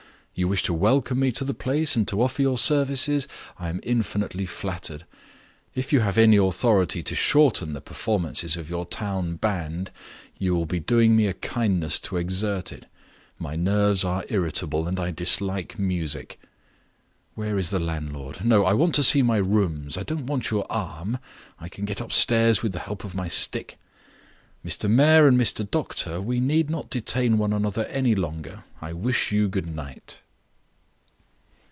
You wish to welcome me to the place, and to offer your services? I am infinitely flattered. If you have any authority to shorten the performances of your town band, you would be doing me a kindness to exert it. My nerves are irritable, and I dislike music. Where is the landlord? No; I want to see my rooms. I don't want your arm; I can get upstairs with the help of my stick. Mr. Mayor and Mr. Doctor, we need not detain one another any longer. I wish you good night."